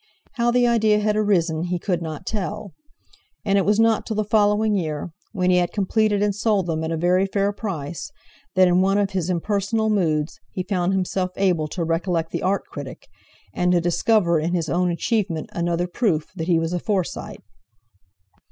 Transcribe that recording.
How the idea had arisen he could not tell; and it was not till the following year, when he had completed and sold them at a very fair price, that in one of his impersonal moods, he found himself able to recollect the Art critic, and to discover in his own achievement another proof that he was a Forsyte.